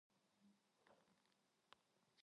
د زلزلې په وخت د احتیاط لپاره لومړي طبي مرستې وساتئ.